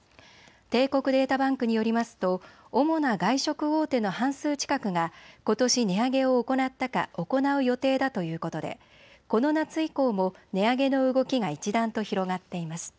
帝国データバンクによりますと主な外食大手の半数近くがことし値上げを行ったか行う予定だということでこの夏以降も値上げの動きが一段と広がっています。